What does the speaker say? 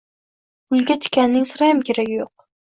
— Gulga tikanning sirayam keragi yo‘q